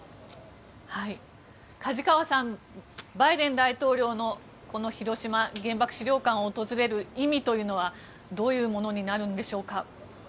梶川さんバイデン大統領のこの広島、原爆資料館を訪れる意味というのはどういうものになるんでしょうか。